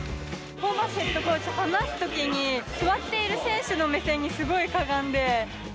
ホーバスヘッドコーチ、話すときに、座っている選手の目線にすごいかがんで。